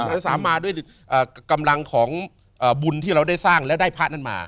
อาสามาด้วยกำลังของบุญที่เราได้สร้างแล้วได้พระนั้นมา